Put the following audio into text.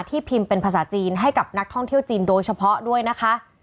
พิมพ์เป็นภาษาจีนให้กับนักท่องเที่ยวจีนโดยเฉพาะด้วยนะคะ